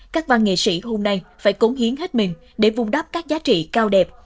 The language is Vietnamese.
các văn nghệ sĩ hôm nay phải cống hiến hết mình để vung đắp các giá trị cao đẹp